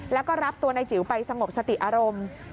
แล้วก็รับตัวนายจิ๋วไปสงบสติอารมณ์